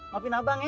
maafin abang ya ya